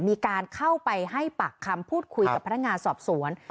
มีการเข้าไปให้ปากคำพูดคุยกับพนักงานสอบสวน